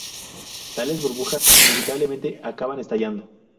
Tales burbujas inevitablemente acaban estallando.